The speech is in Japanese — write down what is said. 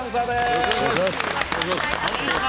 よろしくお願いします。